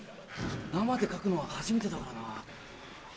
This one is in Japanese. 生で書くのは初めてだからな。